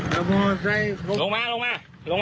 ลุงมาลุงมา